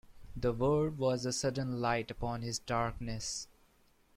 The word was a sudden light upon his darkness.